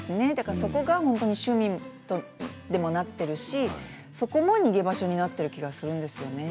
そこが趣味にもなっているしそこも逃げ場所になっている気がするんですね。